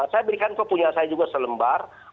saya berikan kok punya saya juga selembar